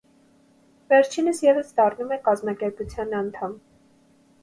Վերջինս ևս դառնում է կազմակերպության անդամ։